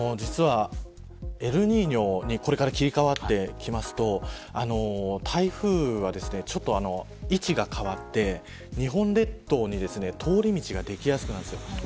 エルニーニョにこれから切り変わってくると台風は、位置が変わって日本列島に通り道ができやすくなります。